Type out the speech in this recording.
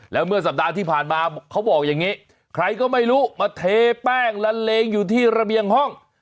แล้วเมื่อสัปดาห์ที่ผ่านมาเขาบอกอย่างนี้ใครก็ไม่รู้มาเทแป้งละเลงอยู่ที่ระเบียงห้อง